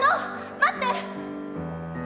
待って！